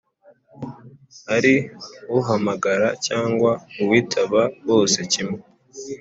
ari uhamagara cyangwa uwitaba bose kimwe